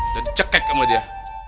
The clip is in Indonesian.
udah dicekek sama dia